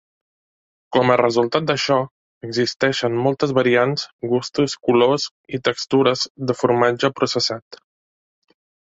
Com a resultat d'això, existeixen moltes variants, gustos, colors i textures de formatge processat.